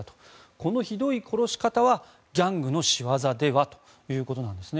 このひどい殺し方はギャングの仕業では？ということですね。